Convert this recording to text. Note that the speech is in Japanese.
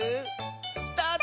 スタート！